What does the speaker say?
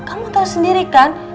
kamu tau sendiri kan